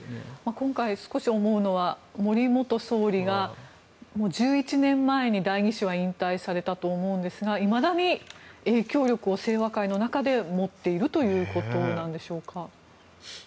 今回、少し思うのは森元総理が１１年前に代議士は引退されたと思うんですがいまだに影響力を清和会の中で持っているということでしょうか。